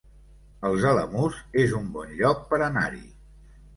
Els Alamús es un bon lloc per anar-hi